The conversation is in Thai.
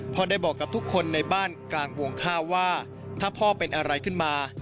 ได้บอกกับทุกคนในบ้านกลางวงข้าวว่าถ้าพ่อเป็นอะไรขึ้นมา